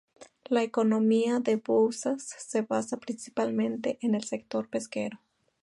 La economía de Bouzas se basa, principalmente, en el sector pesquero.